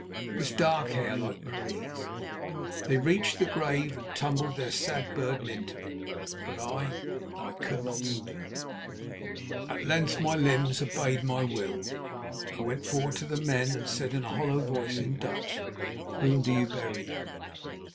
It was dark hair, like Marie's. They reached the grave, and tumbled their sad burden into it; but I—I could not stir! At length my limbs obeyed my will. I went forward to the men and said in a hollow voice in Dutch: "Whom do you bury?"